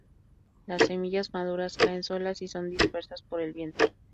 Las semillas maduras caen solas y son dispersadas por el viento.